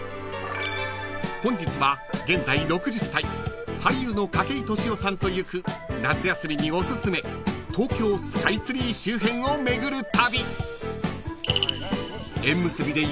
［本日は現在６０歳俳優の筧利夫さんと行く夏休みにおすすめ東京スカイツリー周辺を巡る旅］